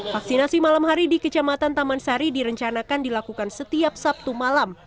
vaksinasi malam hari di kecamatan taman sari direncanakan dilakukan setiap sabtu malam